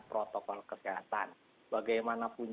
protokol kesehatan bagaimanapun